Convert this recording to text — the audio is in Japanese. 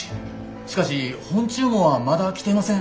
しかし本注文はまだ来てません。